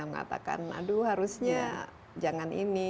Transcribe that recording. mengatakan aduh harusnya jangan ini